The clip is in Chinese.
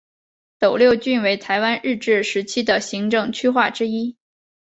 斗六郡为台湾日治时期的行政区划之一。